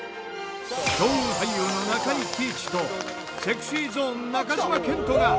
強運俳優の中井貴一とＳｅｘｙＺｏｎｅ中島健人が。